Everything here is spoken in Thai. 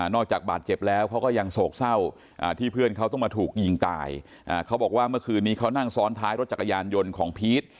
จากบาดเจ็บแล้วเขาก็ยังโศกเศร้าที่เพื่อนเขาต้องมาถูกยิงตายเขาบอกว่าเมื่อคืนนี้เขานั่งซ้อนท้ายรถจักรยานยนต์ของพีช